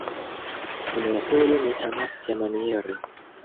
Unuafoje mi amas tiamaniere.